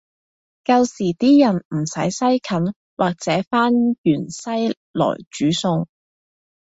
舊時啲人唔使西芹或者番芫茜來煮餸